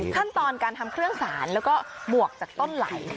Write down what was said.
ขั้นตอนการทำเครื่องสารแล้วก็บวกจากต้นไหล